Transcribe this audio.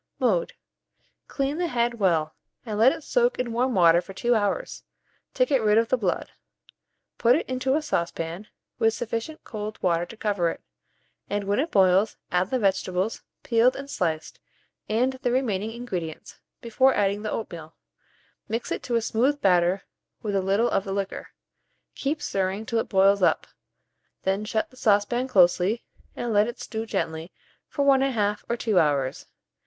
Mode. Clean the head well, and let it soak in warm water for 2 hours, to get rid of the blood; put it into a saucepan, with sufficient cold water to cover it, and when it boils, add the vegetables, peeled and sliced, and the remaining ingredients; before adding the oatmeal, mix it to a smooth batter with a little of the liquor. Keep stirring till it boils up; then shut the saucepan closely, and let it stew gently for 1 1/2 or 2 hours.